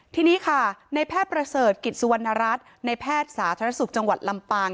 ทีนี้ค่ะในแพทย์ประเสริฐกิจสุวรรณรัฐในแพทย์สาธารณสุขจังหวัดลำปาง